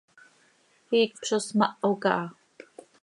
Iicp zo smaho caha.